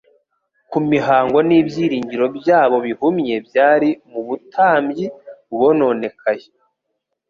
ku mihango n'ibyiringiro byabo bihumye byari mu butambyi bwononekaye.